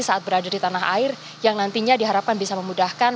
saat berada di tanah air yang nantinya diharapkan bisa memudahkan